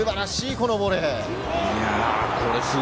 このボレー。